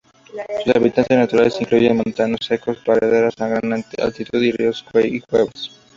Sus hábitats naturales incluyen montanos secos, praderas a gran altitud, ríos y cuevas.